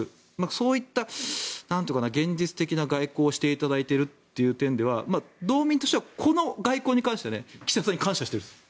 そういった現実的な外交をしていただいているという点では道民としてはこの外交に関しては岸田さんに感謝してるんです。